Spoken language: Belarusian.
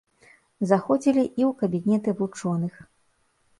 Заходзілі і ў кабінеты вучоных.